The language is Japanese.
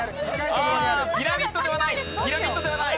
ああピラミッドではない。